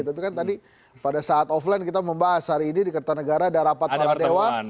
tapi kan tadi pada saat offline kita membahas hari ini di kertanegara ada rapat para dewa